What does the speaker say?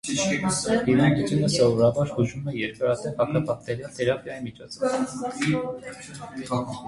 Հիվանդությունը սովորաբար բուժվում է երկարատև հակաբակտերիալ թերապիայի միջոցով։